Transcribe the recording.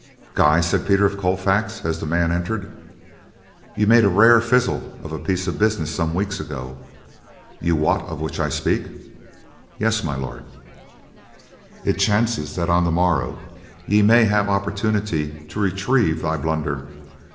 "Guy," said Peter of Colfax, as the man entered, "ye made a rare fizzle of a piece of business some weeks ago. Ye wot of which I speak?" "Yes, My Lord." "It chances that on the morrow ye may have opportunity to retrieve thy blunder.